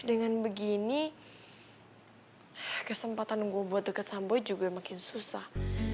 dengan begini kesempatan gue buat deket sama boy juga makin susah